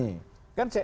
nggak ada masalah